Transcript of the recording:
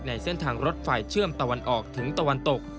ในเส้นทางรถไฟเชื่อมตะวันออกถึงตะวันตก